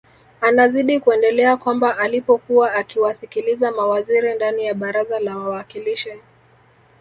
Anazidi kuendelea kwamba alipokuwa akiwasikiliza mawaziri ndani ya baraza la wawakilishi